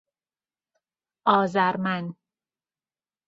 آذرمَن